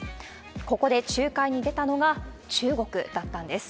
ここで仲介に出たのが中国だったんです。